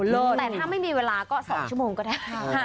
แต่ถ้าไม่มีเวลาก็๒ชั่วโมงก็ได้